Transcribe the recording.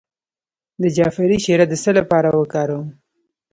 د جعفری شیره د څه لپاره وکاروم؟